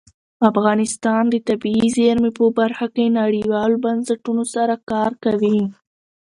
افغانستان د طبیعي زیرمې په برخه کې نړیوالو بنسټونو سره کار کوي.